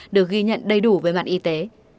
được ghi nhận đầy đủ với mạng y tế